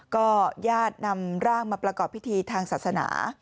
ก็ญาตินำร่างมาประกอบพิธีทางศาสนา